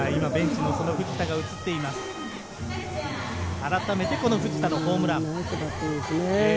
あらためて藤田のホームラン。